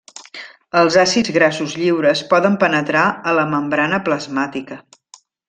Els àcids grassos lliures poden penetrar a la membrana plasmàtica.